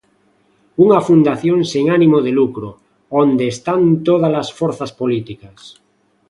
¡Unha fundación sen ánimo de lucro, onde están todas as forzas políticas!